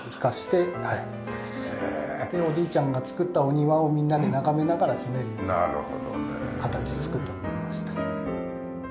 でおじいちゃんが造ったお庭をみんなで眺めながら住めるような形で造ってもらいました。